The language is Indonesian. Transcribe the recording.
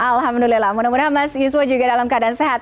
alhamdulillah mudah mudahan mas yuswa juga dalam keadaan sehat